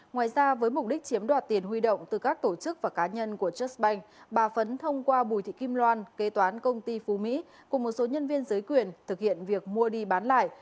ngoài ra với mục đích chiếm đoạt tiền huy động từ các tổ chức và cá nhân của chất banh bà phấn thông qua bùi thị kim loan kế toán công ty phú mỹ cùng một số nhân viên giới quyền thực hiện việc mua đi bán lại